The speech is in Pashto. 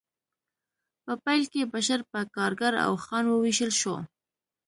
په پیل کې بشر په کارګر او خان وویشل شو